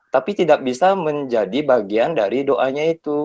tapi tidak bisa menjadi bagian dari doanya itu